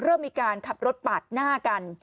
เริ่มมีการขับรถปาดหน้ากัน